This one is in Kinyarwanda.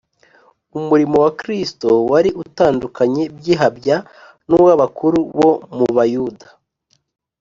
Umurimo wa Kristo wari utandukanye by’ihabya n’uw’abakuru bo mu Bayuda